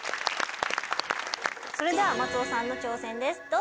それでは松尾さんの挑戦です。